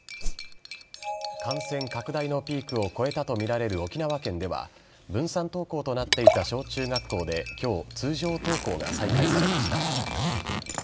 感染拡大のピークを越えたと見られる沖縄県では、分散登校となっていた小中学校できょう、通常登校が再開されました。